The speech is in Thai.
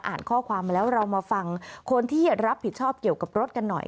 ข้อความมาแล้วเรามาฟังคนที่รับผิดชอบเกี่ยวกับรถกันหน่อย